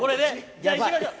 じゃあいきましょう。